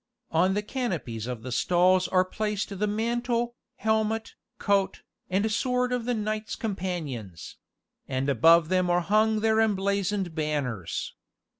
On the canopies of the stalls are placed the mantle, helmet, coat, and sword of the knights companions; and above them are hung their emblazoned banners.